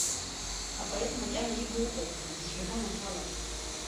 Апоет макьана игыу ыҟоуп абызшәа аганахьала.